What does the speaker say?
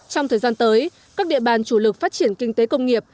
trong thời gian tới các địa bàn chủ lực phát triển kinh tế công nghiệp